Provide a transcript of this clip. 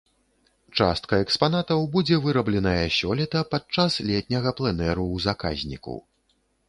Частка экспанатаў будзе вырабленая сёлета падчас летняга пленэру ў заказніку.